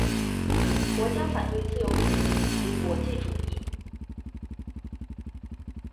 国家主义反对自由主义及国际主义。